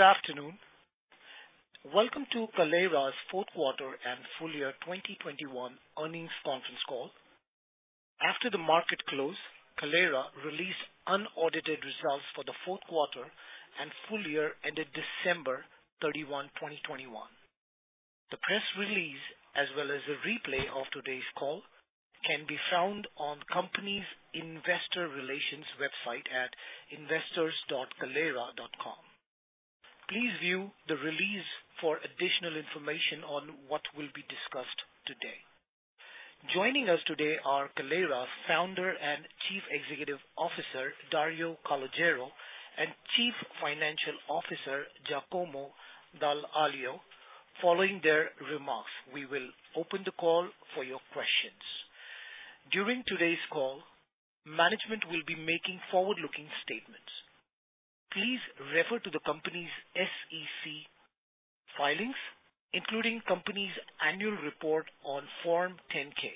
Good afternoon. Welcome to Kaleyra's fourth quarter and full year 2021 earnings conference call. After the market close, Kaleyra released unaudited results for the fourth quarter and full year ended December 31, 2021. The press release, as well as a replay of today's call, can be found on the company's investor relations website at investors.kaleyra.com. Please view the release for additional information on what will be discussed today. Joining us today are Kaleyra's Founder and Chief Executive Officer, Dario Calogero, and Chief Financial Officer, Giacomo Dall'Aglio. Following their remarks, we will open the call for your questions. During today's call, management will be making forward-looking statements. Please refer to the company's SEC filings, including the company's annual report on Form 10-K,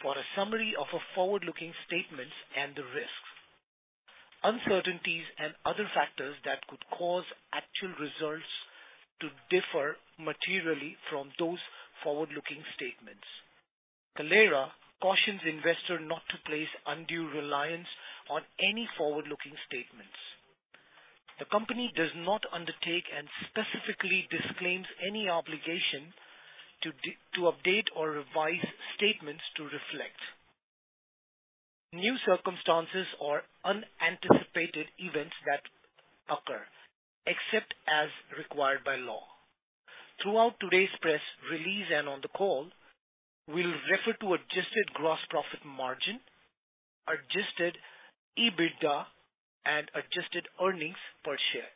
for a summary of our forward-looking statements and the risks, uncertainties, and other factors that could cause actual results to differ materially from those forward-looking statements. Kaleyra cautions investors not to place undue reliance on any forward-looking statements. The company does not undertake and specifically disclaims any obligation to update or revise statements to reflect new circumstances or unanticipated events that occur, except as required by law. Throughout today's press release and on the call, we'll refer to adjusted gross profit margin, adjusted EBITDA, and adjusted earnings per share.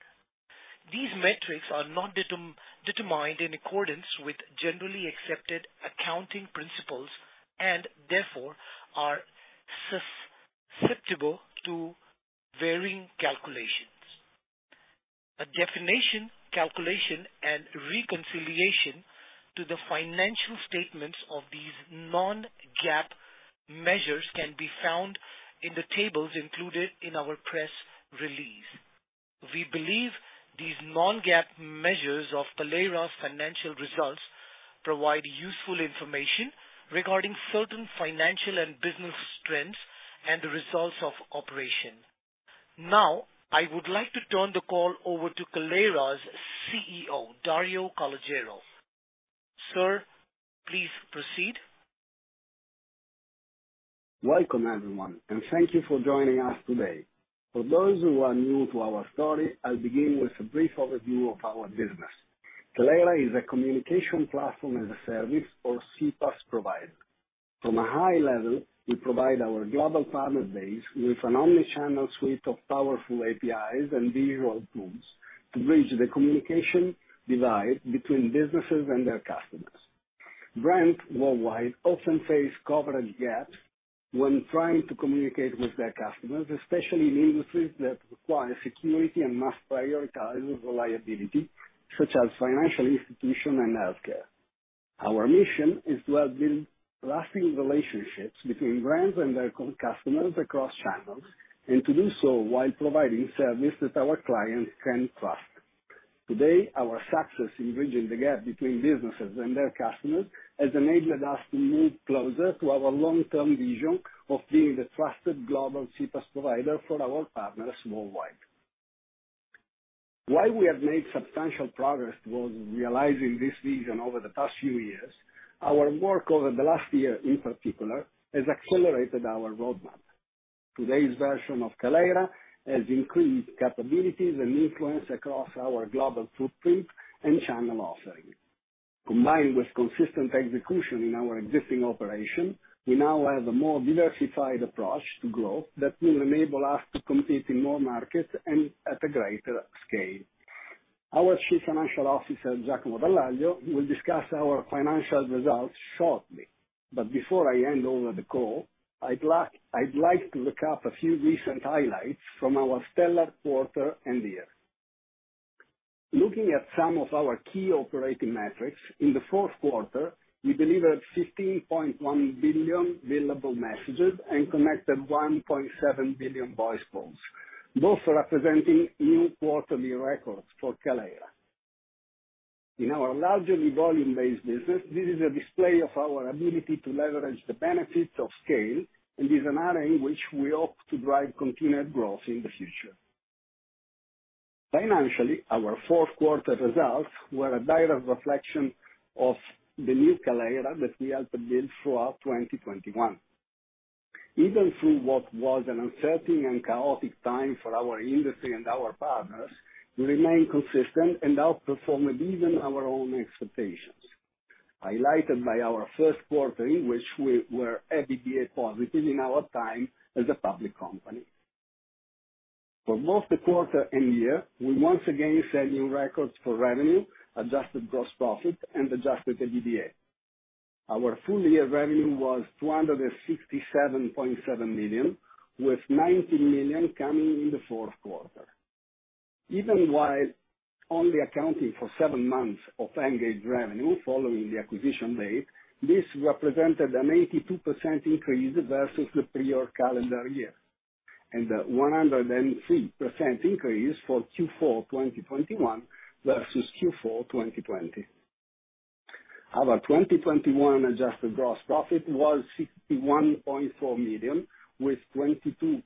These metrics are not determined in accordance with generally accepted accounting principles, and therefore are susceptible to varying calculations. A definition, calculation, and reconciliation to the financial statements of these non-GAAP measures can be found in the tables included in our press release. We believe these non-GAAP measures of Kaleyra's financial results provide useful information regarding certain financial and business trends and the results of operation. Now, I would like to turn the call over to Kaleyra's CEO, Dario Calogero. Sir, please proceed. Welcome, everyone, and thank you for joining us today. For those who are new to our story, I'll begin with a brief overview of our business. Kaleyra is a communication platform as a service or CPaaS provider. From a high level, we provide our global partner base with an omni-channel suite of powerful APIs and visual tools to bridge the communication divide between businesses and their customers. Brands worldwide often face coverage gaps when trying to communicate with their customers, especially in industries that require security and must prioritize reliability, such as financial institutions and healthcare. Our mission is to help build lasting relationships between brands and their customers across channels, and to do so while providing service that our clients can trust. Today, our success in bridging the gap between businesses and their customers has enabled us to move closer to our long-term vision of being the trusted global CPaaS provider for our partners worldwide. While we have made substantial progress towards realizing this vision over the past few years, our work over the last year in particular has accelerated our roadmap. Today's version of Kaleyra has increased capabilities and influence across our global footprint and channel offering. Combined with consistent execution in our existing operation, we now have a more diversified approach to growth that will enable us to compete in more markets and at a greater scale. Our Chief Financial Officer, Giacomo Dall'Aglio, will discuss our financial results shortly. Before I hand over the call, I'd like to look up a few recent highlights from our stellar quarter and year. Looking at some of our key operating metrics, in the fourth quarter, we delivered 15.1 billion billable messages and connected 1.7 billion voice calls, both representing new quarterly records for Kaleyra. In our largely volume-based business, this is a display of our ability to leverage the benefits of scale and is an area in which we hope to drive continued growth in the future. Financially, our fourth quarter results were a direct reflection of the new Kaleyra that we helped build throughout 2021. Even through what was an uncertain and chaotic time for our industry and our partners, we remained consistent and outperformed even our own expectations, highlighted by our first quarter in which we were EBITDA positive in our time as a public company. For both the quarter and year, we once again set new records for revenue, adjusted gross profit and adjusted EBITDA. Our full-year revenue was $267.7 million, with $90 million coming in the fourth quarter. Even while only accounting for seven months of Engauge revenue following the acquisition made, this represented an 82% increase versus the prior calendar year, and a 103% increase for Q4 2021 versus Q4 2020. Our 2021 adjusted gross profit was $61.4 million, with $22.8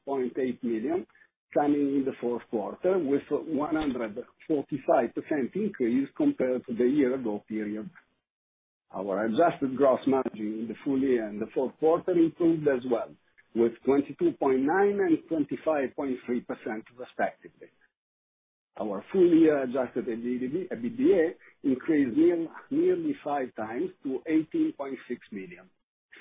million coming in the fourth quarter, with 145% increase compared to the year ago period. Our adjusted gross margin in the full year and the fourth quarter improved as well, with 22.9% and 25.3% respectively. Our full year adjusted EBITDA increased nearly five times to $18.6 million,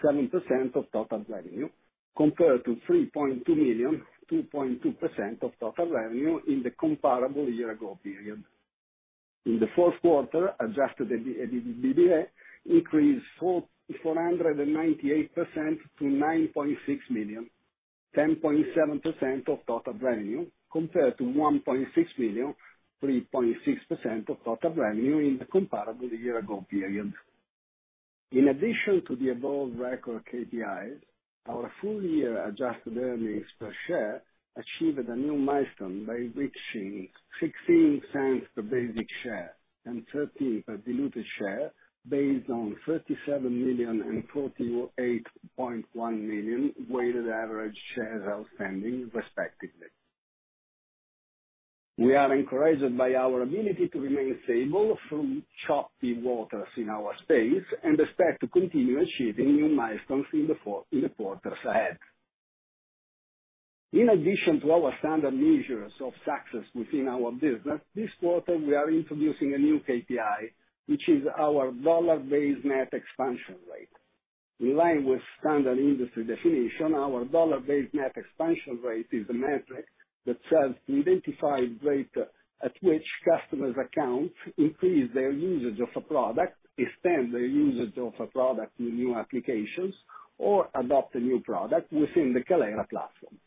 7% of total revenue, compared to $3.2 million, 2.2% of total revenue in the comparable year-ago period. In the fourth quarter, adjusted EBITDA increased 498% to $9.6 million, 10.7% of total revenue, compared to $1.6 million, 3.6% of total revenue in the comparable year-ago period. In addition to the above record KPIs, our full year adjusted earnings per share achieved a new milestone by reaching $0.16 per basic share and $0.13 per diluted share based on 37 million and 48.1 million weighted average shares outstanding respectively. We are encouraged by our ability to remain stable through choppy waters in our space, and expect to continue achieving new milestones in the quarters ahead. In addition to our standard measures of success within our business, this quarter we are introducing a new KPI, which is our dollar-based net expansion rate. In line with standard industry definition, our dollar-based net expansion rate is the metric that indicates the rate at which customers' accounts increase their usage of a product, extend their usage of a product to new applications, or adopt a new product within the Kaleyra platform.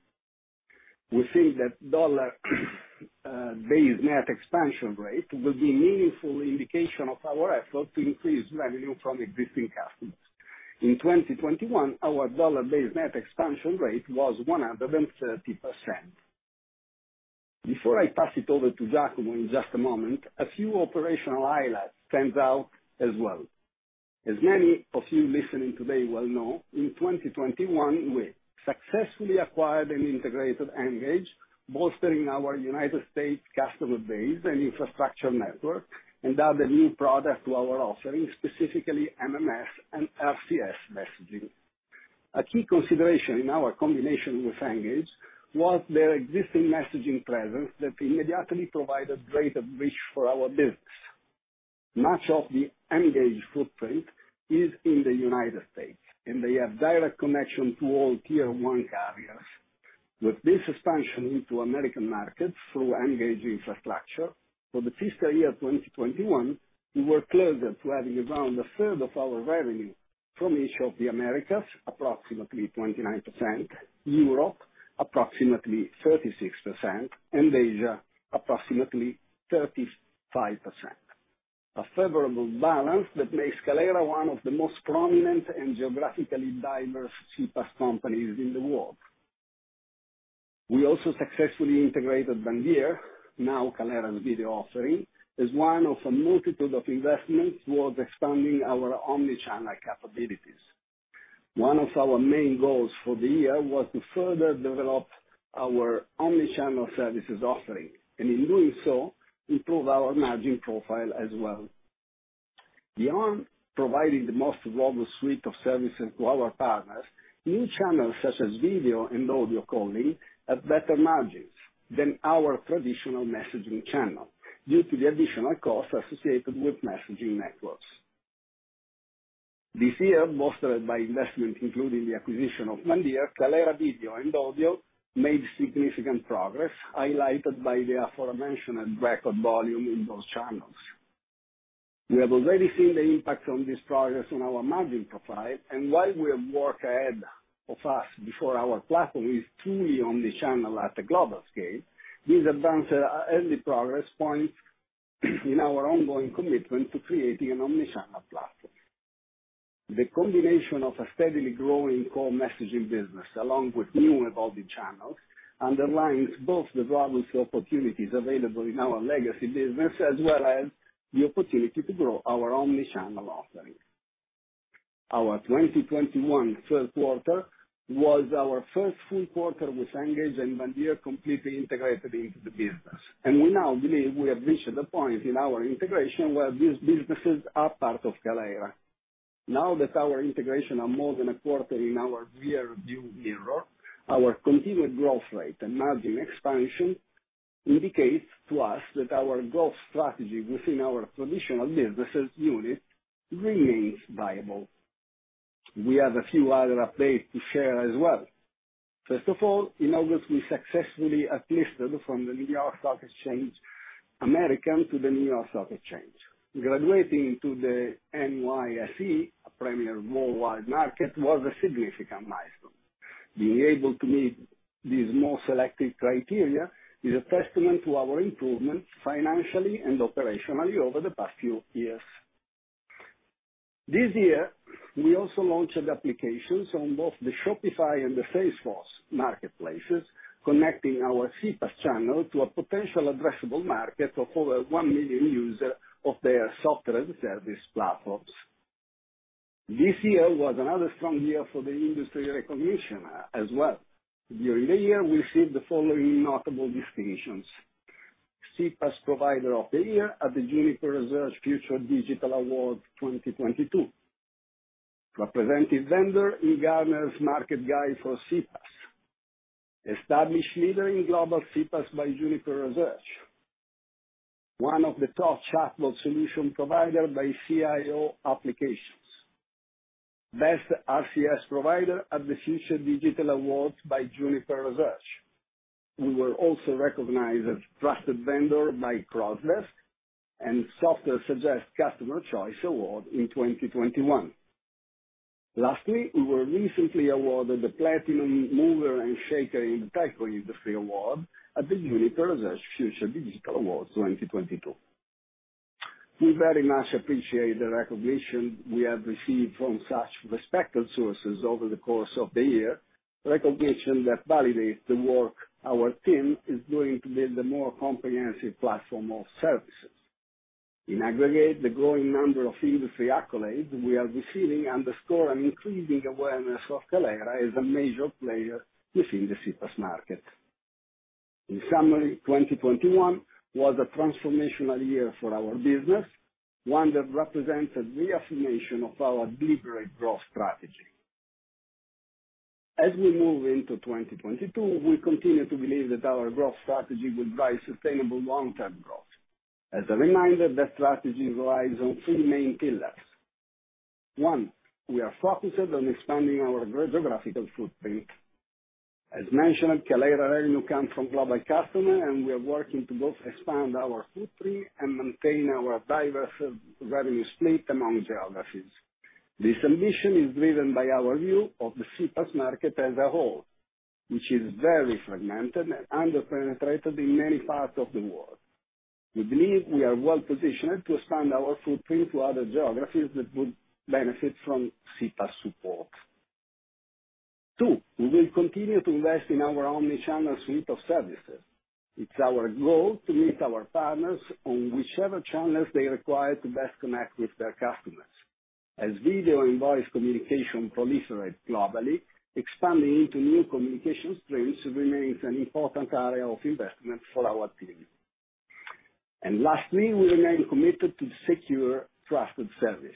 We think that dollar-based net expansion rate will be meaningful indication of our effort to increase revenue from existing customers. In 2021, our dollar-based net expansion rate was 130%. Before I pass it over to Giacomo in just a moment, a few operational highlights stands out as well. As many of you listening today well know, in 2021, we successfully acquired and integrated mGage, bolstering our United States customer base and infrastructure network, and added new product to our offering, specifically MMS and RCS messaging. A key consideration in our combination with mGage was their existing messaging presence that immediately provided greater reach for our business. Much of the mGage footprint is in the United States, and they have direct connection to all tier one carriers. With this expansion into American markets through mGage infrastructure, for the fiscal year 2021, we were closer to having around a third of our revenue from each of the Americas, approximately 29%, Europe approximately 36%, and Asia approximately 35%. A favorable balance that makes Kaleyra one of the most prominent and geographically diverse CPaaS companies in the world. We also successfully integrated Bandyer, now Kaleyra's Video offering, as one of a multitude of investments towards expanding our omnichannel capabilities. One of our main goals for the year was to further develop our omnichannel services offering, and in doing so, improve our margin profile as well. Beyond providing the most robust suite of services to our partners, new channels such as video and audio calling have better margins than our traditional messaging channel due to the additional costs associated with messaging networks. This year, bolstered by investments including the acquisition of Bandyer, Kaleyra Video and audio made significant progress, highlighted by the aforementioned record volume in those channels. We have already seen the impact of this progress on our margin profile, and while we have work ahead of us before our platform is truly omnichannel at a global scale, these early progress point in our ongoing commitment to creating an omnichannel platform. The combination of a steadily growing core messaging business, along with new evolving channels, underlines both the robust opportunities available in our legacy business, as well as the opportunity to grow our omnichannel offering. Our 2021 third quarter was our first full quarter with mGage and Bandyer completely integrated into the business, and we now believe we have reached the point in our integration where these businesses are part of Kaleyra. Now that our integration are more than a quarter in our rear view mirror, our continued growth rate and margin expansion indicates to us that our growth strategy within our traditional businesses unit remains viable. We have a few other updates to share as well. First of all, in August, we successfully uplisted from the NYSE American to the New York Stock Exchange. Graduating to the NYSE, a premier worldwide market, was a significant milestone. Being able to meet these more selective criteria is a testament to our improvements financially and operationally over the past few years. This year we also launched applications on both the Shopify and the Salesforce marketplaces, connecting our CPaaS channel to a potential addressable market of over 1 million users of their software as a service platforms. This year was another strong year for the industry recognition as well. During the year, we received the following notable distinctions. CPaaS Provider of the Year at the Juniper Research Future Digital Awards 2022. Representative Vendor in Gartner's Market Guide for CPaaS. Established Leader in Global CPaaS by Juniper Research. One of the top chatbot solution provider by CIO Applications. Best RCS Provider at the Future Digital Awards by Juniper Research. We were also recognized as Trusted Vendor by Crozdesk, and SoftwareSuggest Customer Choice Award in 2021. Lastly, we were recently awarded the Platinum Mover and Shaker in the Tech Industry Award at the Juniper Research Future Digital Awards 2022. We very much appreciate the recognition we have received from such respected sources over the course of the year, recognition that validates the work our team is doing to build a more comprehensive platform of services. In aggregate, the growing number of industry accolades we are receiving underscore an increasing awareness of Kaleyra as a major player within the CPaaS market. In summary, 2021 was a transformational year for our business, one that represented reaffirmation of our deliberate growth strategy. As we move into 2022, we continue to believe that our growth strategy will drive sustainable long-term growth. As a reminder, that strategy relies on three main pillars. One, we are focused on expanding our geographical footprint. As mentioned, Kaleyra revenue comes from global customers, and we are working to both expand our footprint and maintain our diverse revenue split among geographies. This ambition is driven by our view of the CPaaS market as a whole, which is very fragmented and under-penetrated in many parts of the world. We believe we are well-positioned to expand our footprint to other geographies that would benefit from CPaaS support. Two, we will continue to invest in our omni-channel suite of services. It's our goal to meet our partners on whichever channels they require to best connect with their customers. As video and voice communication proliferate globally, expanding into new communication streams remains an important area of investment for our team. Lastly, we remain committed to secure trusted service.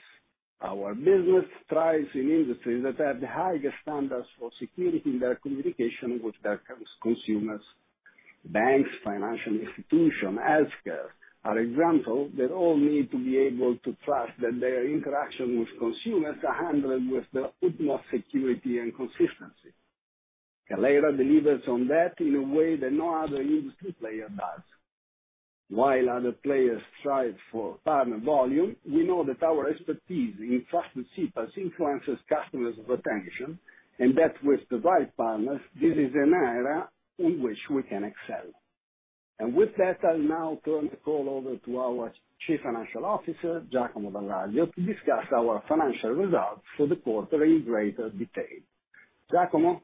Our business thrives in industries that have the highest standards for security in their communication with their consumers. Banks, financial institutions, healthcare are examples that all need to be able to trust that their interaction with consumers are handled with the utmost security and consistency. Kaleyra delivers on that in a way that no other industry player does. While other players strive for partner volume, we know that our expertise in trusted CPaaS influences customers' retention, and that with the right partners, this is an area in which we can excel. With that, I'll now turn the call over to our Chief Financial Officer, Giacomo Dall'Aglio, to discuss our financial results for the quarter in greater detail. Giacomo?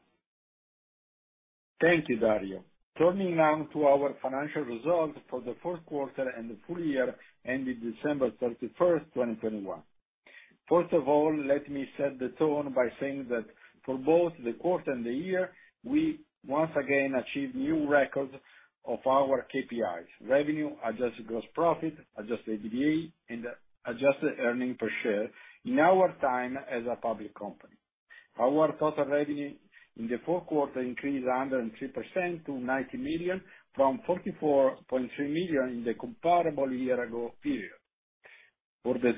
Thank you, Dario. Turning now to our financial results for the fourth quarter and the full year ending December 31, 2021. First of all, let me set the tone by saying that for both the quarter and the year, we once again achieved new records of our KPIs: revenue, adjusted gross profit, adjusted EBITDA, and adjusted earnings per share in our time as a public company. Our total revenue in the fourth quarter increased 103% to $90 million from $44.3 million in the comparable year ago period. For the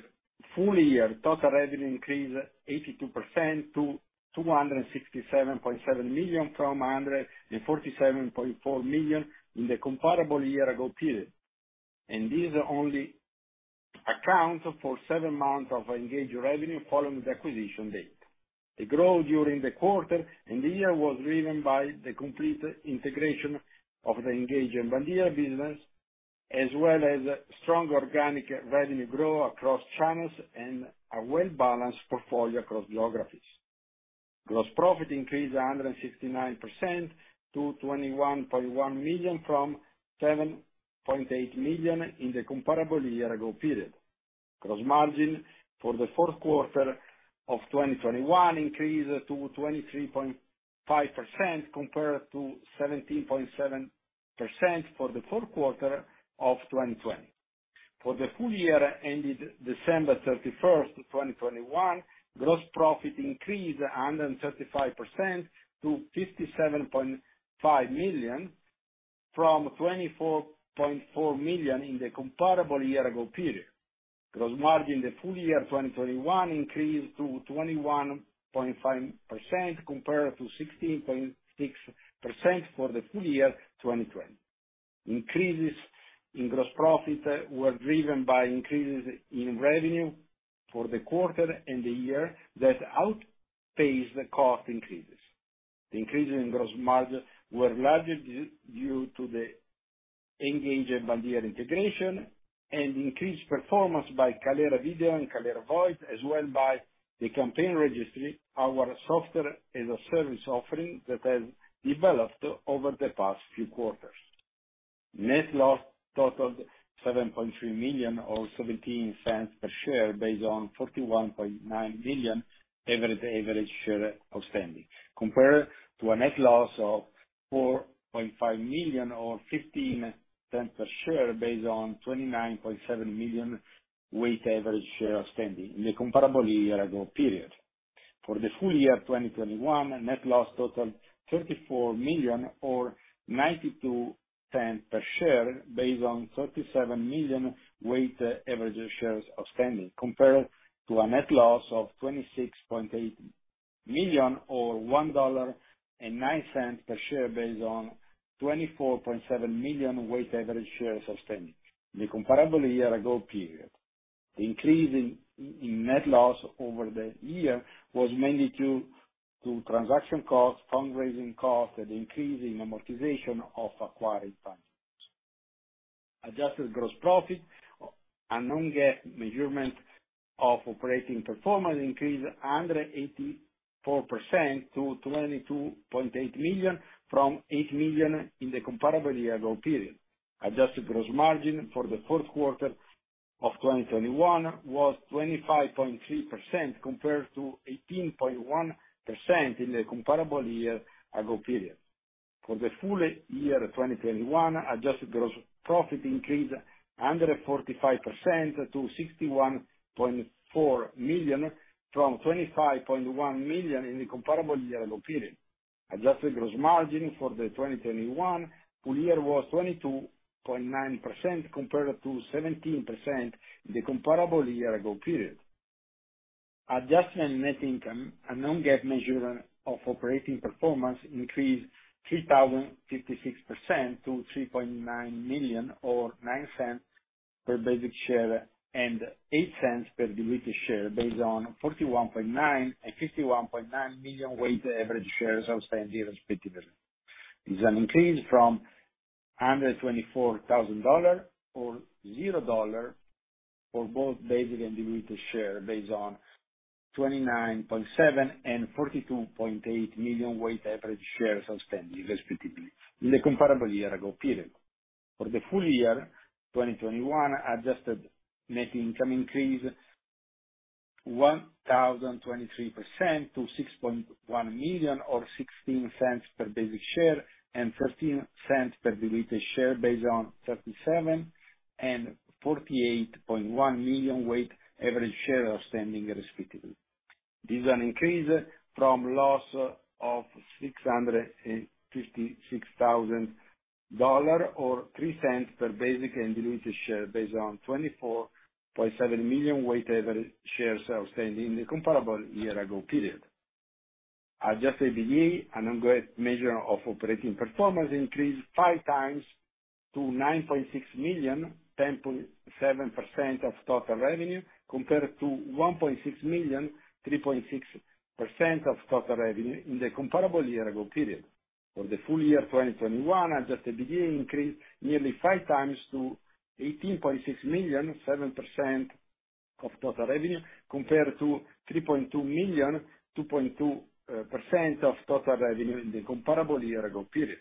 full year, total revenue increased 82% to $267.7 million from $147.4 million in the comparable year ago period, and these only account for seven months of mGage revenue following the acquisition date. The growth during the quarter and the year was driven by the complete integration of the mGage and Bandyer business, as well as strong organic revenue growth across channels and a well-balanced portfolio across geographies. Gross profit increased 169% to $21.1 million from $7.8 million in the comparable year ago period. Gross margin for the fourth quarter of 2021 increased to 23.5% compared to 17.7% for the fourth quarter of 2020. For the full year ended December 31, 2021, gross profit increased 135% to $57.5 million from $24.4 million in the comparable year ago period. Gross margin in the full year 2021 increased to 21.5% compared to 16.6% for the full year 2020. Increases in gross profit were driven by increases in revenue for the quarter and the year that outpaced the cost increases. The increases in gross margin were largely due to the mGage and Bandyer integration and increased performance by Kaleyra Video and Kaleyra Voice, as well as by the Campaign Registry, our software-as-a-service offering that has developed over the past few quarters. Net loss totaled $7.3 million or $0.17 per share based on 41.9 million average shares outstanding, compared to a net loss of $4.5 million or $0.15 per share based on 29.7 million weighted average shares outstanding in the comparable year ago period. For the full year 2021, net loss totaled $34 million or $0.92 per share based on 37 million weighted average shares outstanding, compared to a net loss of $26.8 million or $1.09 per share based on 24.7 million weighted average shares outstanding in the comparable year ago period. The increase in net loss over the year was mainly due to transaction costs, fundraising costs, and increase in amortization of acquired funds. Adjusted gross profit, a non-GAAP measurement of operating performance, increased 184% to $22.8 million from $8 million in the comparable year ago period. Adjusted gross margin for the fourth quarter of 2021 was 25.3% compared to 18.1% in the comparable year ago period. For the full year 2021, adjusted gross profit increased 145% to $61.4 million from $25.1 million in the comparable year ago period. Adjusted gross margin for the 2021 full year was 22.9% compared to 17% in the comparable year ago period. Adjusted net income, a non-GAAP measure of operating performance, increased 3,056% to $3.9 million or $0.09 per basic share and $0.08 per diluted share based on 41.9 million and 51.9 million weighted average shares outstanding, respectively. This is an increase from $124,000 or $0.00 for both basic and diluted share based on 29.7 million and 42.8 million weighted average shares outstanding, respectively, in the comparable year ago period. For the full year 2021, adjusted net income increased 1,023% to $6.1 million or $0.16 per basic share and $0.13 per diluted share based on 37 million and 48.1 million weighted average shares outstanding, respectively. This is an increase from loss of $656,000 or $0.03 per basic and diluted share based on 24.7 million weighted average shares outstanding in the comparable year ago period. Adjusted EBITDA, a non-GAAP measure of operating performance, increased 5x to $9.6 million, 10.7% of total revenue, compared to $1.6 million, 3.6% of total revenue in the comparable year ago period. For the full year 2021, adjusted EBITDA increased nearly five times to $18.6 million, 7% of total revenue, compared to $3.2 million, 2.2% of total revenue in the comparable year-ago period.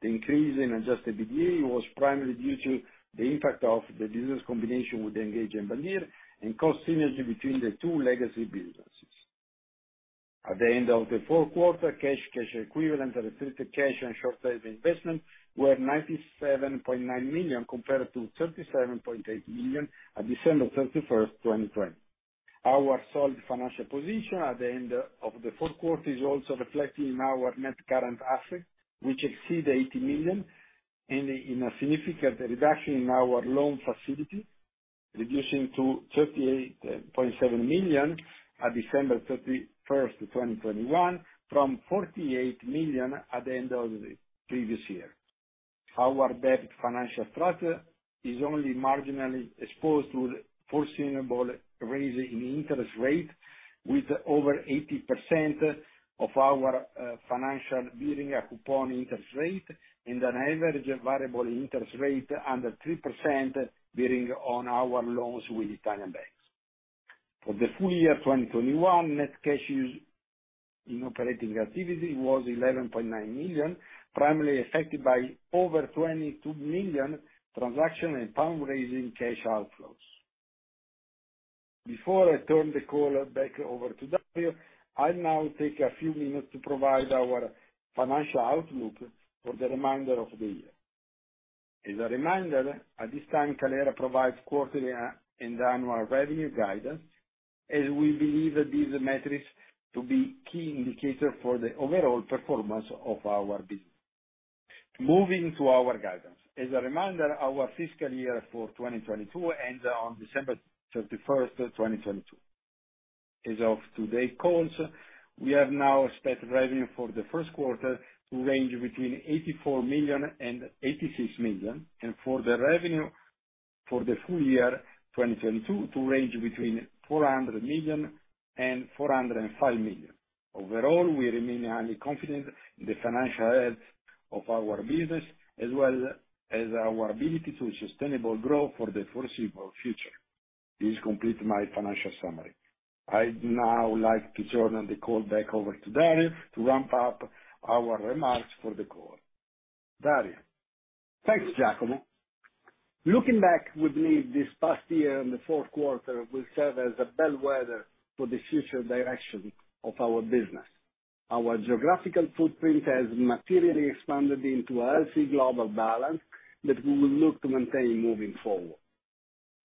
The increase in adjusted EBITDA was primarily due to the impact of the business combination with mGage and Bandyer and cost synergy between the two legacy businesses. At the end of the fourth quarter, cash equivalents, restricted cash and short-term investments were $97.9 million compared to $37.8 million at December 31, 2020. Our solid financial position at the end of the fourth quarter is also reflected in our net current assets, which exceed $80 million, and in a significant reduction in our loan facility, reducing to $38.7 million at December 31, 2021, from $48 million at the end of the previous year. Our debt financing structure is only marginally exposed to foreseeable rise in interest rate, with over 80% of our financial bearing a coupon interest rate and an average variable interest rate under 3% bearing on our loans with Italian banks. For the full year 2021, net cash used in operating activity was $11.9 million, primarily affected by over $22 million transaction and fundraising cash outflows. Before I turn the call back over to Dario, I'll now take a few minutes to provide our financial outlook for the remainder of the year. As a reminder, at this time, Kaleyra provides quarterly and annual revenue guidance, as we believe these metrics to be key indicator for the overall performance of our business. Moving to our guidance. As a reminder, our fiscal year for 2022 ends on December 31, 2022. As of today's call, we have now set revenue for the first quarter to range between $84 million and $86 million, and for the full year 2022 to range between $400 million and $405 million. Overall, we remain highly confident in the financial health of our business as well as our ability to sustain growth for the foreseeable future. This completes my financial summary. I'd now like to turn the call back over to Dario to wrap up our remarks for the call. Dario? Thanks, Giacomo. Looking back with me this past year and the fourth quarter will serve as a bellwether for the future direction of our business. Our geographical footprint has materially expanded into a healthy global balance that we will look to maintain moving forward.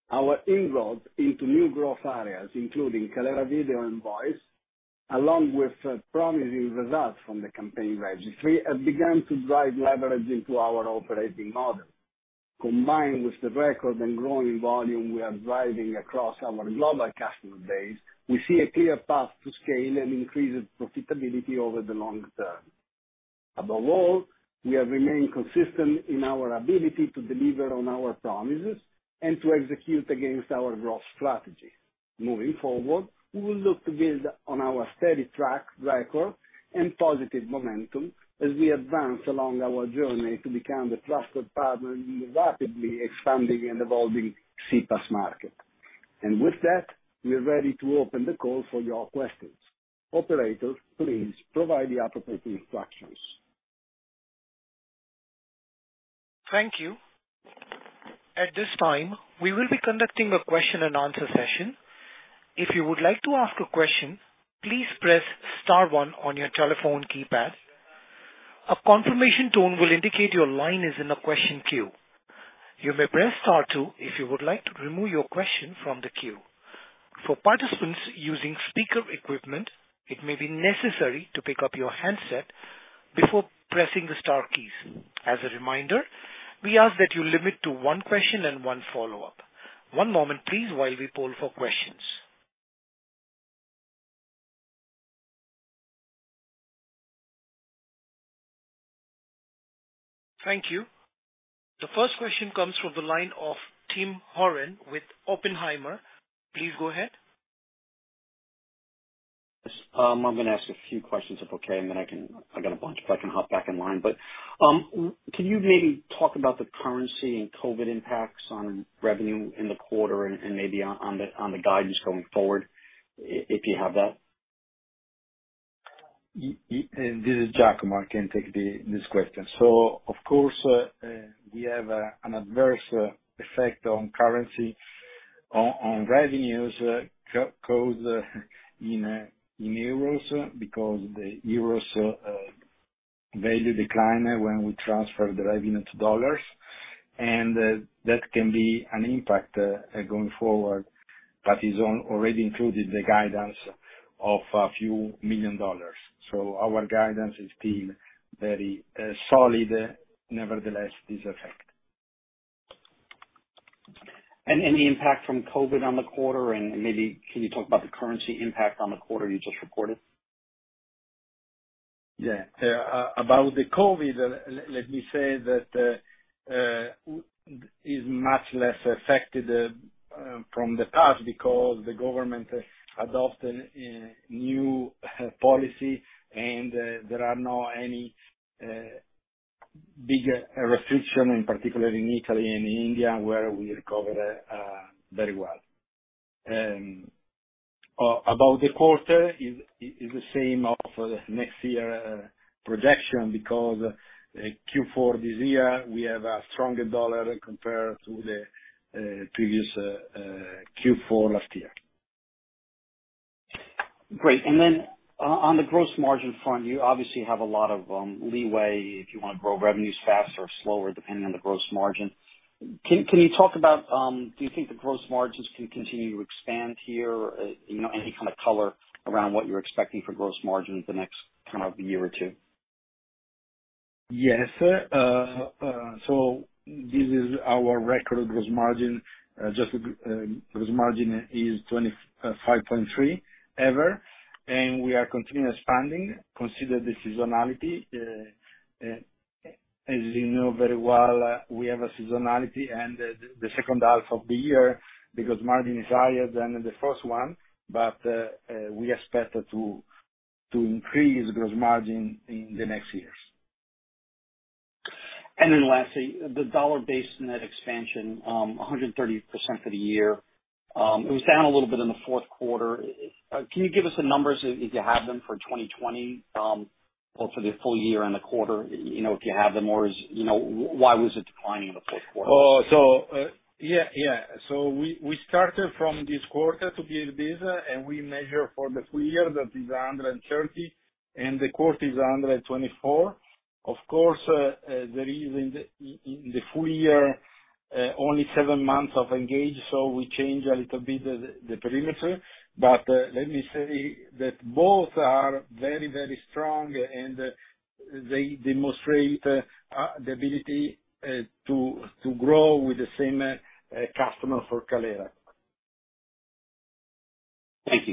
Our inroads into new growth areas, including Kaleyra Video and Voice, along with promising results from the Campaign Registry, have begun to drive leverage into our operating model. Combined with the record and growing volume we are driving across our global customer base, we see a clear path to scale and increase its profitability over the long term. Above all, we have remained consistent in our ability to deliver on our promises and to execute against our growth strategy. Moving forward, we will look to build on our steady track record and positive momentum as we advance along our journey to become the trusted partner in the rapidly expanding and evolving CPaaS market. With that, we are ready to open the call for your questions. Operator, please provide the appropriate instructions. Thank you. At this time, we will be conducting a question and answer session. If you would like to ask a question, please press star one on your telephone keypad. A confirmation tone will indicate your line is in the question queue. You may press star two if you would like to remove your question from the queue. For participants using speaker equipment, it may be necessary to pick up your handset before pressing the star keys. As a reminder, we ask that you limit to one question and one follow-up. One moment, please, while we poll for questions. Thank you. The first question comes from the line of Tim Horan with Oppenheimer. Please go ahead. Yes. I'm gonna ask a few questions, if okay, and then I can. I got a bunch, if I can hop back in line. Can you maybe talk about the currency and COVID impacts on revenue in the quarter and maybe on the guidance going forward, if you have that? This is Giacomo. I can take this question. Of course, we have an adverse effect on currency on revenues in euros because the euro's value decline when we transfer the revenue to dollars, and that can be an impact going forward, but it's already included the guidance of a few million dollars. Our guidance is still very solid nevertheless this effect. Any impact from COVID on the quarter, and maybe can you talk about the currency impact on the quarter you just reported? Yeah. Let me say that it is much less affected than in the past because the government adopted a new policy, and there are no bigger restrictions, in particular in Italy and India, where we recover very well. About the quarter, it is the same as next year projection because Q4 this year we have a stronger dollar compared to the previous Q4 last year. Great. On the gross margin front, you obviously have a lot of leeway if you wanna grow revenues faster or slower, depending on the gross margin. Do you think the gross margins can continue to expand here? You know, any kind of color around what you're expecting for gross margins the next kind of year or two? Yes. This is our record gross margin. Just gross margin is 25.3%, and we are continuing expanding, considering the seasonality. As you know very well, we have a seasonality in the second half of the year because margin is higher than in the first one, but we expect to increase gross margin in the next years. Lastly, the dollar-based net expansion, 130% for the year, it was down a little bit in the fourth quarter. Can you give us the numbers if you have them for 2020, well, for the full year and the quarter, you know, if you have them, or, you know, why was it declining in the fourth quarter? We started from this quarter to give this, and we measure for the full year that is 130%, and the quarter is 124%. Of course, the reason in the full year is only seven months of mGage, so we change a little bit the perimeter. Let me say that both are very, very strong, and they demonstrate the ability to grow with the same customer for Kaleyra. Thank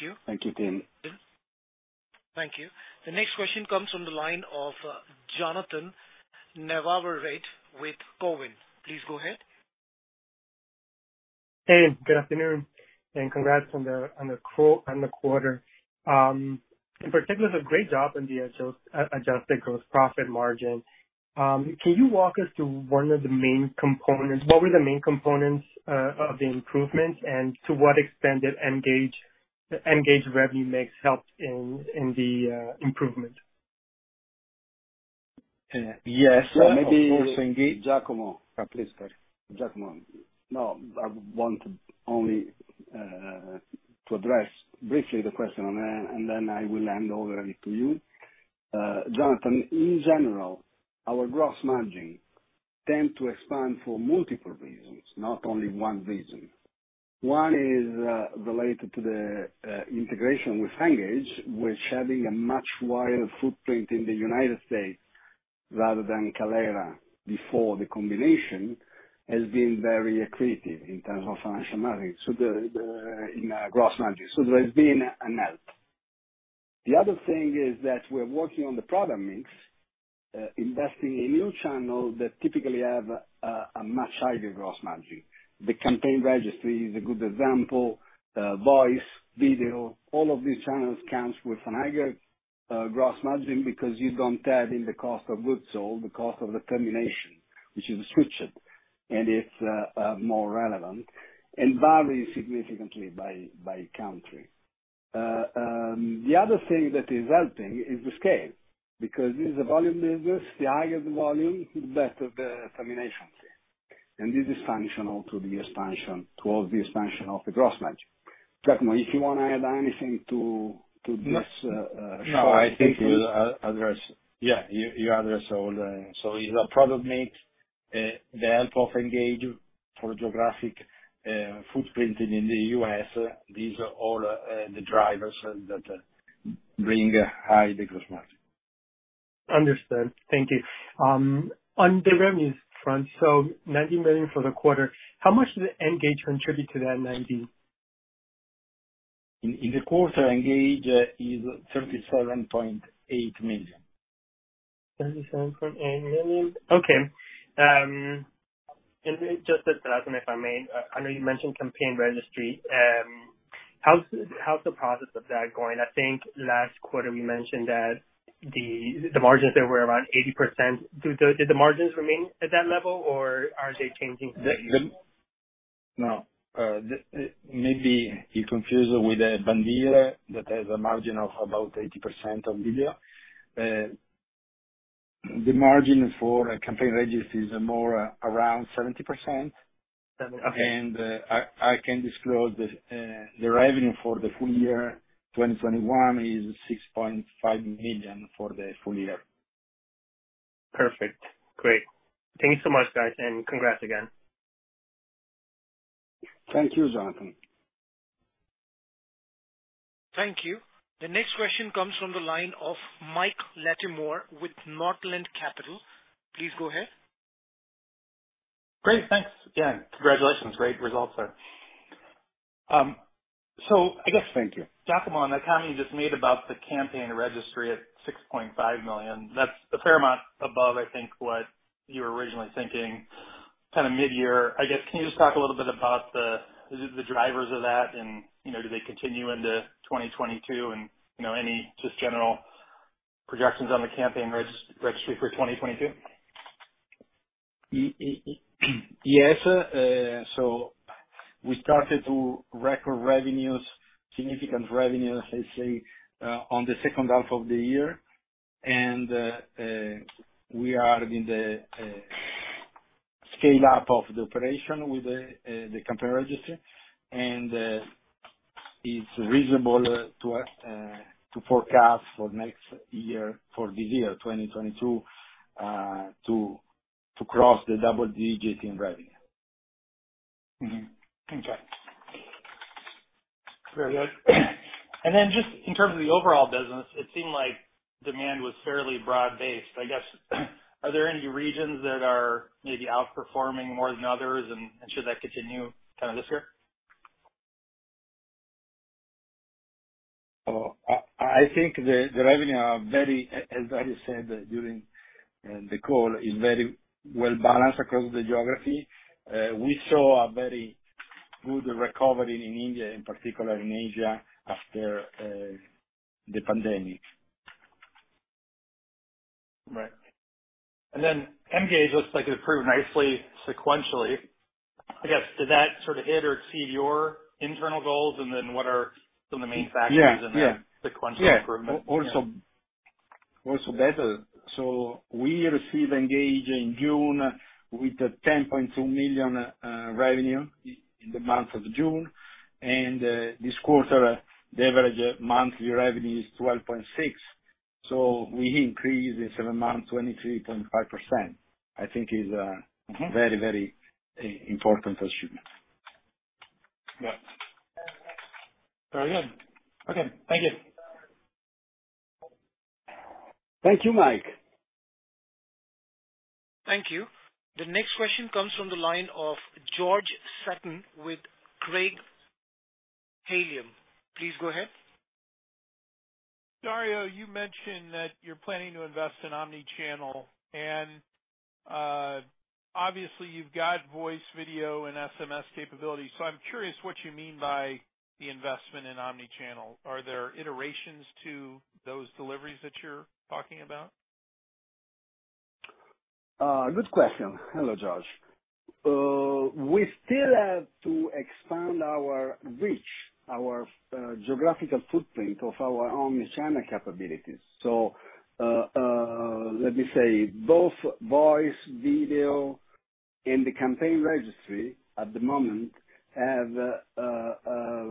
you. Thank you, Tim. Thank you. The next question comes from the line of Jonnathan Navarrete with Cowen. Please go ahead. Hey, good afternoon and congrats on the quarter. In particular, great job on the adjusted gross profit margin. Can you walk us through one of the main components? What were the main components of the improvements and to what extent did mGage revenue mix help in the improvement? Yes. Giacomo. Please start. No, I want only to address briefly the question, and then I will hand over to you. Jonathan, in general, our gross margin tend to expand for multiple reasons, not only one reason. One is related to the integration with mGage, which having a much wider footprint in the United States rather than Kaleyra before the combination, has been very accretive in terms of financial margin, so then in gross margin. So there's been a help. The other thing is that we're working on the product mix, investing in new channels that typically have a much higher gross margin. The Campaign Registry is a good example. Voice, video, all of these channels comes with a higher gross margin because you don't add in the cost of goods sold, the cost of the termination, which is switched, and it's more relevant and varies significantly by country. The other thing that is helping is the scale. Because this is a volume business, the higher the volume, the better the termination fee. This is functional to the expansion, towards the expansion of the gross margin. Giacomo, if you wanna add anything to this, Yes. show. No, I think you address, yeah, you address all the. It's a product mix, the help of mGage for geographic footprint in the U.S. These are all the drivers that bring high the gross margin. Understood. Thank you. On the revenues front, $90 million for the quarter, how much did mGage contribute to that $90 million? In the quarter, mGage is $37.8 million. $37.8 million. Okay. Just this last one, if I may. I know you mentioned The Campaign Registry. How's the process of that going? I think last quarter you mentioned that the margins there were around 80%. Did the margins remain at that level or are they changing? No. Maybe you confuse with Bandyer that has a margin of about 80% on video. The margin for a Campaign Registry is more around 70%. Seven. Okay. I can disclose the revenue for the full year. 2021 is $6.5 million for the full year. Perfect. Great. Thank you so much, guys, and congrats again. Thank you, Jonnathan. Thank you. The next question comes from the line of Mike Latimore with Northland Capital. Please go ahead. Great. Thanks. Again, congratulations. Great results there. I guess. Thank you. Giacomo, the comment you just made about the Campaign Registry at $6.5 million, that's a fair amount above, I think, what you were originally thinking kind of midyear. I guess, can you just talk a little bit about the drivers of that and, you know, do they continue into 2022 and, you know, any just general projections on the Campaign Registry for 2022? Yes. We started to record revenues, significant revenues, I say, on the second half of the year. We are in the scale-up of the operation with the Campaign Registry. It's reasonable to forecast for next year, for this year, 2022, to cross the double digits in revenue. Okay. Very good. Then just in terms of the overall business, it seemed like demand was fairly broad-based. I guess, are there any regions that are maybe outperforming more than others and should that continue kind of this year? I think the revenue are very, as I said during the call, is very well-balanced across the geography. We saw a very good recovery in India, in particular in Asia, after the pandemic. Right. mGage looks like it improved nicely sequentially. I guess, did that sort of hit or exceed your internal goals? What are some of the main factors? Yeah, yeah. in that sequential improvement? Also better. We received mGage in June with $10.2 million revenue in the month of June. This quarter, the average monthly revenue is $12.6 million. We increased in seven months 23.5%. I think it is Mm-hmm Very, very important achievement. Yeah. Very good. Okay. Thank you. Thank you, Mike. Thank you. The next question comes from the line of George Sutton with Craig-Hallum. Please go ahead. Dario, you mentioned that you're planning to invest in omni-channel, and obviously you've got voice, video, and SMS capabilities. I'm curious what you mean by the investment in omni-channel. Are there iterations to those deliveries that you're talking about? Good question. Hello, George. We still have to expand our reach, our geographical footprint of our omni-channel capabilities. Let me say, both voice, video, and the Campaign Registry at the moment have a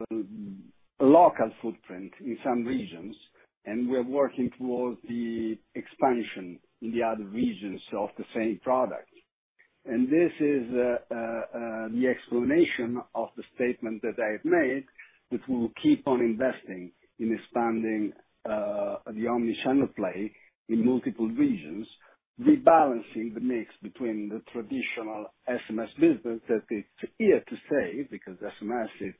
local footprint in some regions, and we're working towards the expansion in the other regions of the same product. This is the explanation of the statement that I have made, that we will keep on investing in expanding the omni-channel play in multiple regions, rebalancing the mix between the traditional SMS business that is here to stay, because SMS is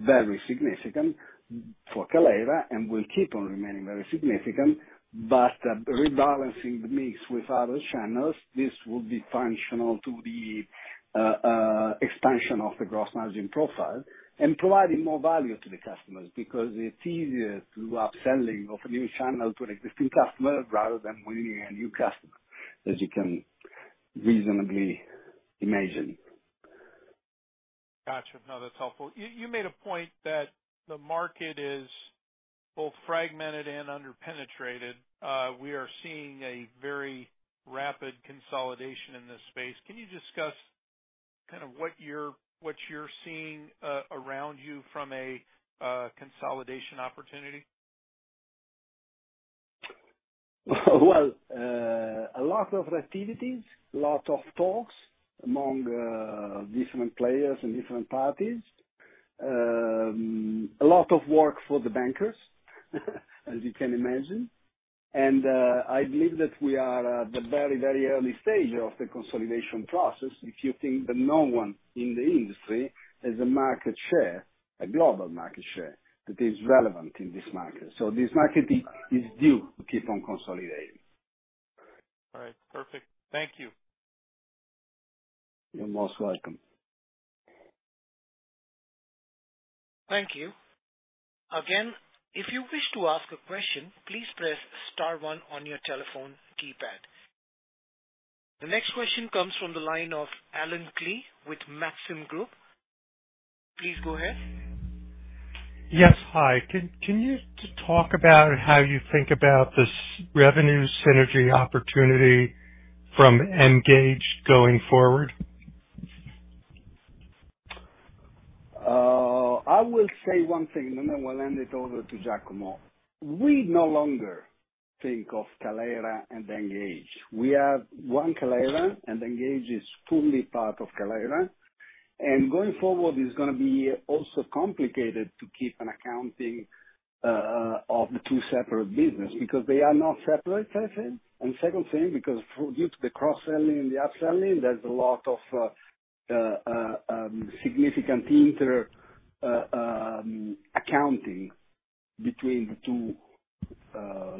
very significant for Kaleyra and will keep on remaining very significant. Rebalancing the mix with other channels, this will be functional to the expansion of the gross margin profile and providing more value to the customers, because it's easier to do upselling of a new channel to an existing customer rather than winning a new customer, as you can reasonably imagine. Gotcha. No, that's helpful. You made a point that the market is both fragmented and under-penetrated. We are seeing a very rapid consolidation in this space. Can you discuss kind of what you're seeing around you from a consolidation opportunity? Well, a lot of activities, lot of talks among different players and different parties. A lot of work for the bankers, as you can imagine. I believe that we are at the very, very early stage of the consolidation process, if you think that no one in the industry has a market share, a global market share that is relevant in this market. This market is due to keep on consolidating. All right. Perfect. Thank you. You're most welcome. Thank you. Again, if you wish to ask a question, please press star one on your telephone keypad. The next question comes from the line of Allen Klee with Maxim Group. Please go ahead. Yes. Hi. Can you talk about how you think about this revenue synergy opportunity from mGage going forward? I will say one thing, and then we'll hand it over to Giacomo. We no longer think of Kaleyra and mGage. We are one Kaleyra, and mGage is fully part of Kaleyra. Going forward, it's gonna be also complicated to keep an accounting of the two separate business, because they are not separate, per se. Second thing, because due to the cross-selling and the upselling, there's a lot of significant intercompany accounting between the two,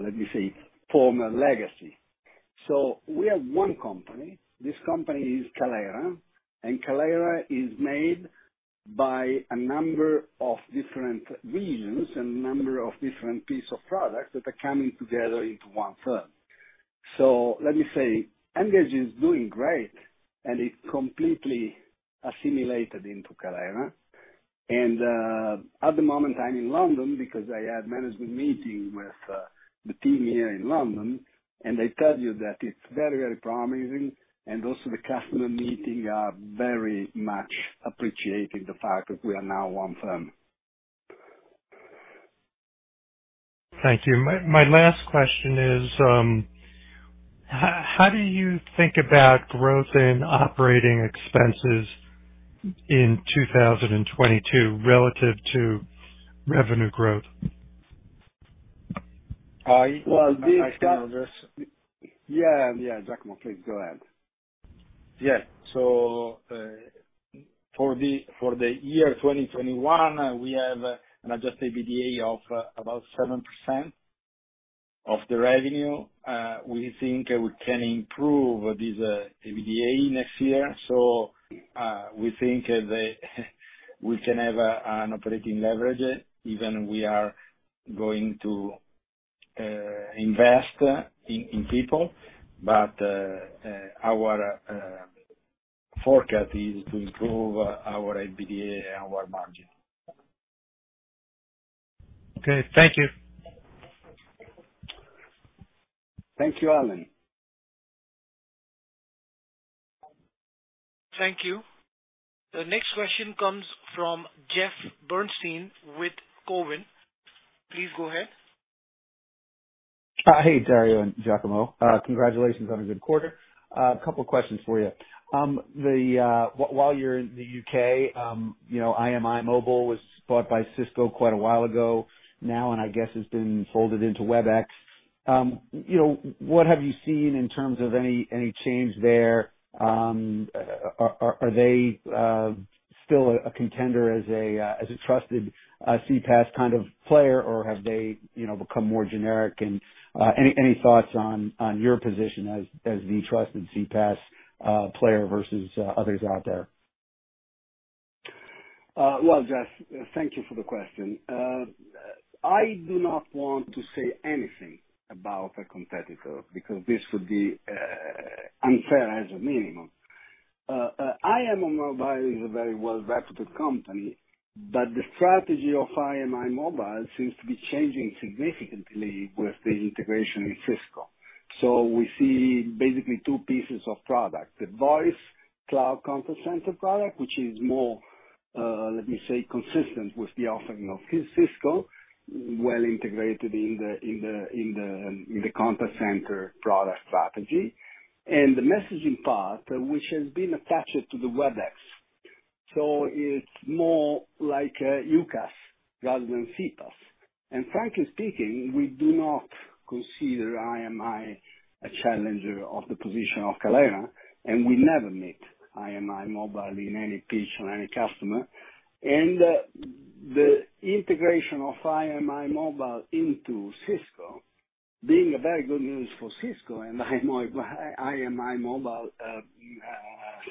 let me say, former legacy. We are one company. This company is Kaleyra, and Kaleyra is made by a number of different regions and a number of different piece of products that are coming together into one firm. Let me say, mGage is doing great, and it completely assimilated into Kaleyra. At the moment, I'm in London because I had management meeting with the team here in London, and they tell you that it's very, very promising. Also, the customer meeting are very much appreciating the fact that we are now one firm. Thank you. My last question is, how do you think about growth in operating expenses in 2022 relative to revenue growth? Well, I can address. Yeah. Giacomo, please go ahead. Yeah. For the year 2021, we have an adjusted EBITDA of about 7% of the revenue. We think we can improve this EBITDA next year. We think that we can have an operating leverage, even we are going to invest in people. But our forecast is to improve our EBITDA and our margin. Okay. Thank you. Thank you, Allen. Thank you. The next question comes from Jeff Bernstein with Cowen. Please go ahead. Hey, Dario and Giacomo. Congratulations on a good quarter. A couple questions for you. While you're in the U.K., you know, IMImobile was bought by Cisco quite a while ago now, and I guess it's been folded into Webex. You know, what have you seen in terms of any change there? Are they still a contender as a trusted CPaaS kind of player, or have they become more generic? Any thoughts on your position as the trusted CPaaS player versus others out there? Well, Jeff, thank you for the question. I do not want to say anything about a competitor because this would be unfair as a minimum. IMImobile is a very well-reputed company, but the strategy of IMImobile seems to be changing significantly with the integration with Cisco. We see basically two pieces of product, the voice cloud contact center product, which is more, well, let me say, consistent with the offering of Cisco, well integrated in the contact center product strategy. The messaging part, which has been attached to the Webex. It's more like a UCaaS rather than CPaaS. Frankly speaking, we do not consider IMImobile a challenger of the position of Kaleyra, and we never meet IMImobile in any pitch on any customer. The integration of IMImobile into Cisco being a very good news for Cisco and IMImobile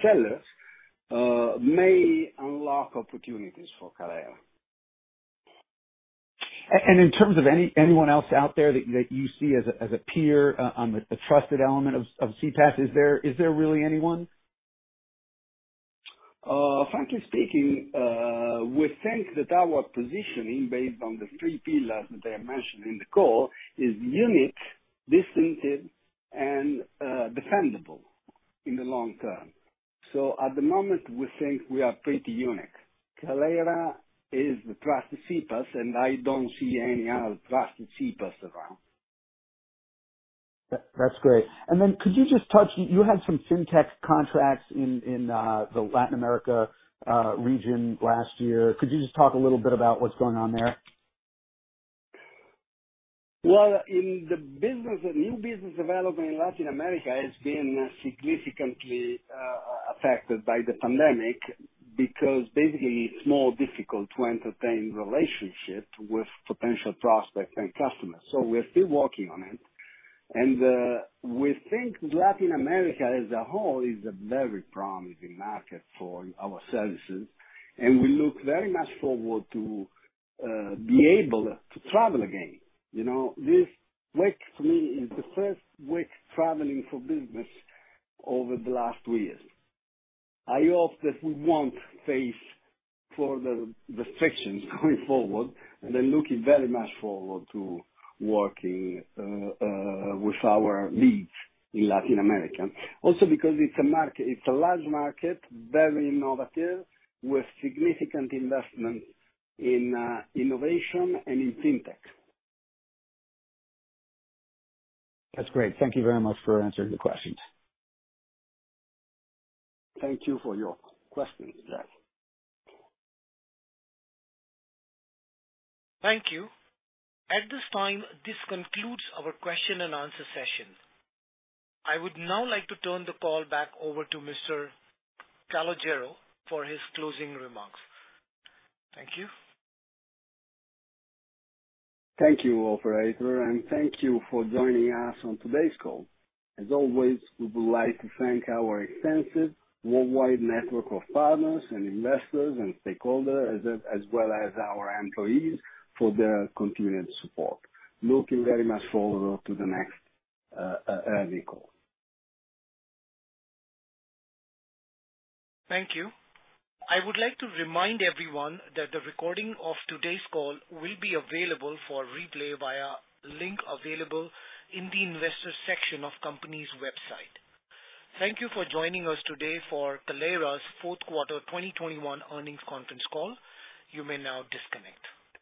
sellers may unlock opportunities for Kaleyra. In terms of anyone else out there that you see as a peer on the trusted element of CPaaS, is there really anyone? Frankly speaking, we think that our positioning based on the three pillars that I mentioned in the call is unique, distinctive, and defendable in the long term. At the moment, we think we are pretty unique. Kaleyra is the trusted CPaaS, and I don't see any other trusted CPaaS around. That's great. Could you just touch on the FinTech contracts you had in the Latin America region last year. Could you just talk a little bit about what's going on there? Well, in the business, the new business development in Latin America has been significantly affected by the pandemic because basically it's more difficult to entertain relationships with potential prospects and customers. We're still working on it. We think Latin America as a whole is a very promising market for our services, and we look very much forward to be able to travel again. You know, this week for me is the first week traveling for business over the last two years. I hope that we won't face further restrictions going forward, and I'm looking very much forward to working with our leads in Latin America. Also because it's a market, it's a large market, very innovative, with significant investment in innovation and in FinTech. That's great. Thank you very much for answering the questions. Thank you for your questions, Jeff. Thank you. At this time, this concludes our question and answer session. I would now like to turn the call back over to Mr. Calogero for his closing remarks. Thank you. Thank you, operator, and thank you for joining us on today's call. As always, we would like to thank our extensive worldwide network of partners and investors and stakeholders, as well as our employees for their continued support. Looking very much forward to the next yearly call. Thank you. I would like to remind everyone that the recording of today's call will be available for replay via link available in the Investors section of the company's website. Thank you for joining us today for Kaleyra's fourth quarter 2021 earnings conference call. You may now disconnect.